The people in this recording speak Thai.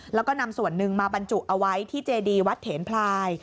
แล้วก็นำส่วนหนึ่งมาบรรจุเอาไว้ที่เจดีวัดเถนพลาย